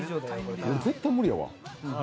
俺、絶対無理やわ。